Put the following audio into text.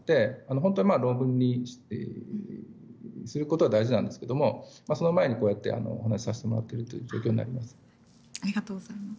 本当は論文にすることは大事なんですがその前に、こうやってお話しさせてもらっているという状況になります。